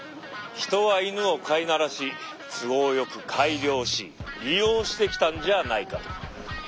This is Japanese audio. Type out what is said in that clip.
ヒトはイヌを飼いならし都合よく改良し利用してきたんじゃあないかと。